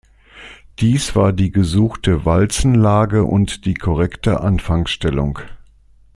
Dies war die gesuchte Walzenlage und die korrekte Anfangsstellung.